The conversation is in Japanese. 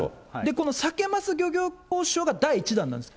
このサケ・マス漁業交渉が第１弾なんです。